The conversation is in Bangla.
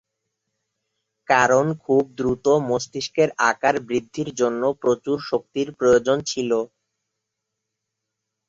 কারণ খুব দ্রুত মস্তিষ্কের আকার বৃদ্ধির জন্য প্রচুর শক্তির প্রয়োজন ছিল।